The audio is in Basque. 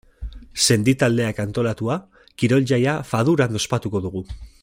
Sendi taldeak antolatua, kirol-jaia Faduran ospatuko dugu.